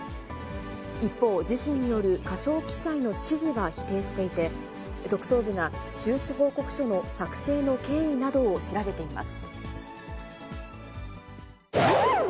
一方、自身による過少記載の指示は否定していて、特捜部が収支報告書の作成の経緯などを調べています。